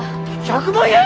ひゃ１００万円！？